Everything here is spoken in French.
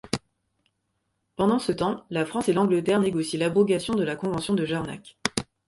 Pendant ce temps, la France et l'Angleterre négocient l'abrogation de la convention de Jarnac.